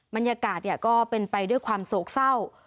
บรรยากาศก็เป็นไปด้วยความโศกเศร้า